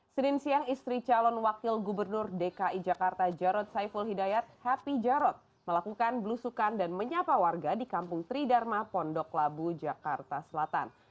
senin siang istri calon wakil gubernur dki jakarta jarod saiful hidayat happy jarod melakukan belusukan dan menyapa warga di kampung tridharma pondok labu jakarta selatan